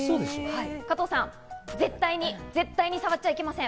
加藤さん、絶対に触っちゃいけません。